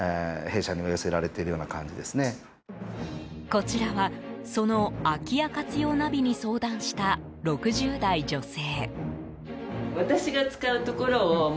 こちらはその空き家活用ナビに相談した６０代女性。